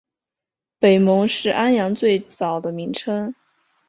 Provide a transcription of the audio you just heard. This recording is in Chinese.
北蒙是安阳最早的名称。